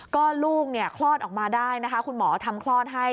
ก็ลูกเนี่ยคลอดออกมาได้นะคะคุณหมอทำคลอดให้